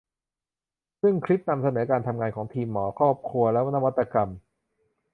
ซึ่งคลิปนำเสนอการทำงานของทีมหมอครอบครัวและนวัตกรรม